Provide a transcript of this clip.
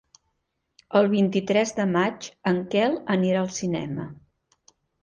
El vint-i-tres de maig en Quel anirà al cinema.